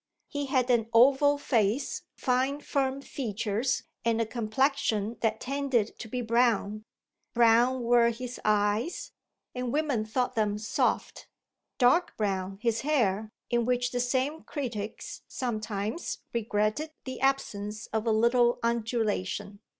He had an oval face, fine firm features, and a complexion that tended to the brown. Brown were his eyes, and women thought them soft; dark brown his hair, in which the same critics sometimes regretted the absence of a little undulation.